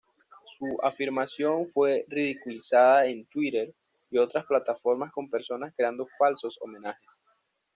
Su afirmación fue ridiculizada en Twitter y otras plataformas con personas creando falsos homenajes.